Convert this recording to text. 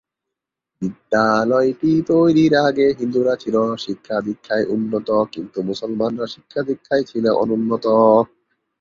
বিদ্যালয়টি তৈরির আগে হিন্দুরা ছিল শিক্ষা-দীক্ষায় উন্নত কিন্তু মুসলমানরা শিক্ষা-দীক্ষায় ছিল অনুন্নত।